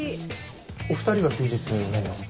お２人は休日何を？